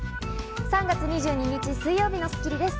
３月２２日、水曜日の『スッキリ』です。